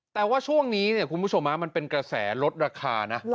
แต่ว่าช่วงนี้เนี่ยคุณผู้ชมมันเป็นกระแสลดราคานะ